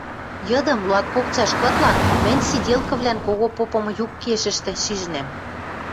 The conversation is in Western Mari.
Йыдым, луаткок цӓш кытлан, мӹнь сиделкывлӓн когон попымы юкешӹштӹ шижӹм.